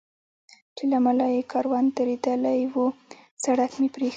چې له امله یې کاروان درېدلی و، سړک مې پرېښود.